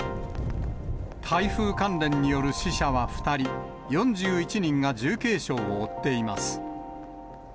台風関連による死者は２人、４１人が重軽傷を負っています。